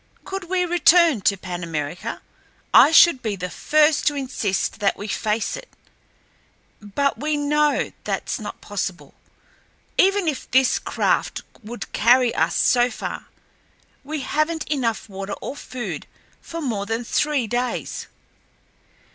Could we return to Pan America, I should be the first to insist that we face it. But we know thatl's not possible. Even if this craft would carry us so far, we haven't enough water or food for more than three days.